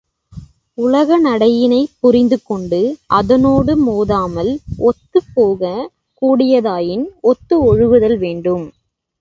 உலக நடையினைப் புரிந்துகொண்டு அதனோடு மோதாமல் ஒத்துப் போகக் கூடியதாயின் ஒத்து ஒழுகுதல் வேண்டும்.